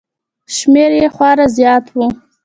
شمېر یې خورا زیات و